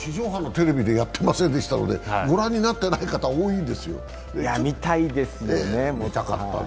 地上波のテレビでやっていませんでしたので、ご覧になっていない方が多いんですよ。